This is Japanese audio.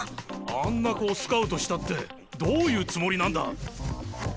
あんな子をスカウトしたってどういうつもりなんだ。